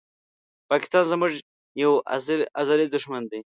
پاکستان زموږ یو ازلې دښمن دي